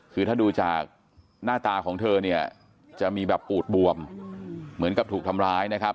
คือถ้าดูจากหน้าตาของเธอเนี่ยจะมีแบบปูดบวมเหมือนกับถูกทำร้ายนะครับ